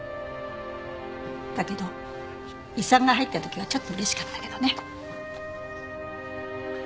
だけど遺産が入った時はちょっと嬉しかったけどね。